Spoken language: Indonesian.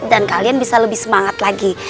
dan kalian bisa lebih semangat lagi